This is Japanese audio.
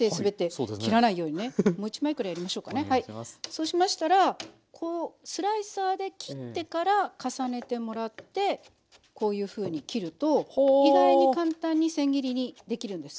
そうしましたらこうスライサーで切ってから重ねてもらってこういうふうに切ると意外に簡単にせん切りにできるんです。